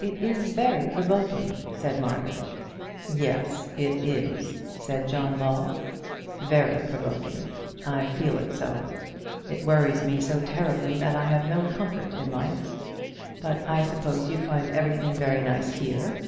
"It is very provoking," said Margaret. "Yes, it is," said John Ball, "very provoking; I feel it so. It worries me so terribly that I have no comfort in life. But I suppose you find everything very nice here."